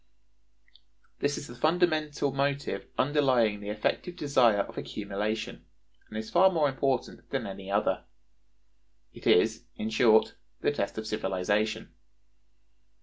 This is the fundamental motive underlying the effective desire of accumulation, and is far more important than any other. It is, in short, the test of civilization.